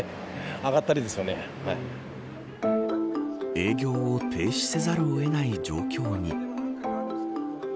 営業を停止せざるを得ない状況に。